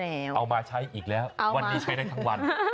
เอามาใช้อีกแล้ววันนี้ใช้ได้ทั้งวัน